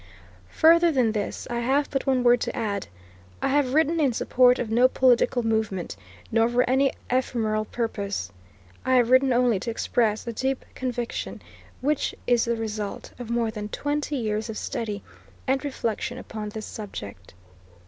Further than this I have but one word to add. I have written in support of no political movement, nor for any ephemeral purpose. I have written only to express a deep conviction which is the result of more than twenty years of study, and reflection upon this subject.